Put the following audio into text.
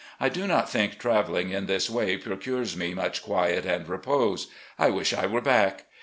I do not think travelling in this way procures me much quiet and repose. I wish I were back.